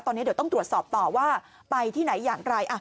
ตอนนี้เดี๋ยวต้องตรวจสอบต่อว่าไปที่ไหนอย่างไร